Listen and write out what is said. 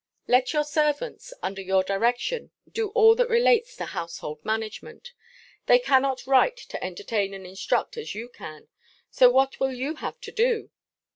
Let your servants, under your direction, do all that relates to household management; they cannot write to entertain and instruct as you can: so what will you have to do?